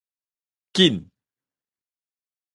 緊